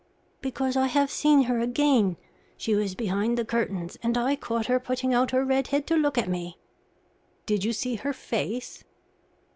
"Because I have seen her again. She was behind the curtains, and I caught her putting out her red head to look at me." "Did you see her face?"